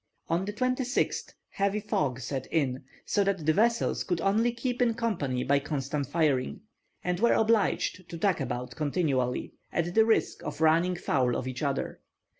On the 26th, heavy fog set in, so that the vessels could only keep in company by constant firing, and were obliged to tack about continually, at the risk of running foul of each other.